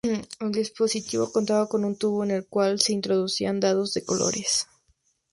El dispositivo contaba con un tubo en el cual se introducían dados de colores.